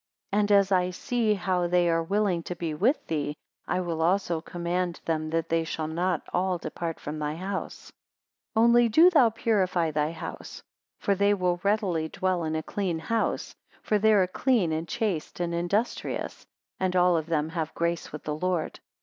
16 And as I see how they are willing to be with thee, I will also command them that they shall not all depart from thy house. 17 Only do thou purify thy house; for they will readily dwell in a clean house. For they are clean and chaste, and industrious; and all of them have grace with the Lord.